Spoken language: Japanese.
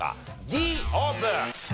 Ｄオープン！